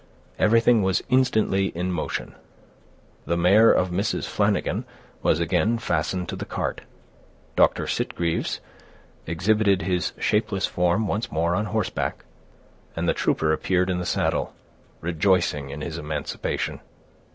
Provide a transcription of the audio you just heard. Everything was instantly in motion. The mare of Mrs. Flanagan was again fastened to the cart; Dr. Sitgreaves exhibited his shapeless form once more on horseback; and the trooper appeared in the saddle, rejoicing in his emancipation.